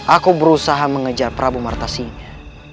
aku berusaha mengejar prabu martasinya